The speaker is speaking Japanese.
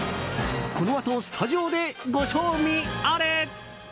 このあとスタジオでご賞味あれ！